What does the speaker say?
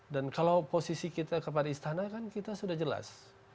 dan kalau posisi kita kepada istana kan kita sudah jelas